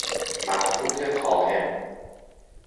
مخروط قائم